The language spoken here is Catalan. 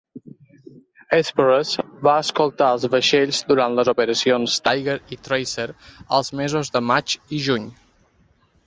"Hesperus" va escoltar els vaixells durant les operacions Tiger i Tracer als mesos de maig i juny.